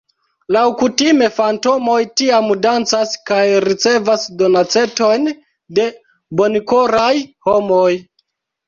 Laŭkutime fantomoj tiam dancas kaj ricevas donacetojn de bonkoraj homoj.